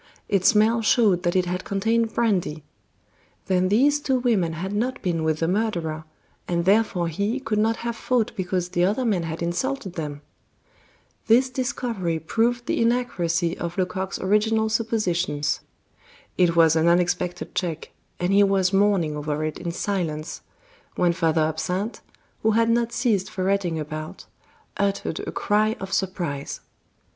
Its smell showed that it had contained brandy. Then these two women had not been with the murderer, and therefore he could not have fought because the other men had insulted them. This discovery proved the inaccuracy of Lecoq's original suppositions. It was an unexpected check, and he was mourning over it in silence, when Father Absinthe, who had not ceased ferreting about, uttered a cry of surprise.